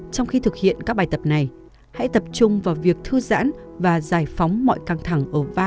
trong khi thực hiện các bài tập này hãy tập trung vào việc thư giãn và giải phóng mọi căng thẳng ở vai và bất kỳ nguy hiểm